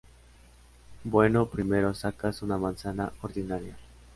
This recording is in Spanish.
Bueno primero sacas una manzana ordinaria.